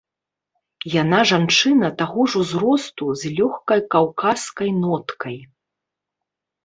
Яна жанчына таго ж узросту з лёгкай каўказскай ноткай.